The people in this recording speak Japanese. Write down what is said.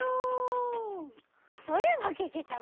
そういえばけけちゃま。